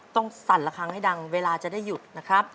สั่นละครั้งให้ดังเวลาจะได้หยุดนะครับ